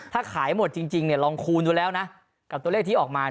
ถ้าขายหมดจริงเนี่ยลองคูณดูแล้วนะกับตัวเลขที่ออกมา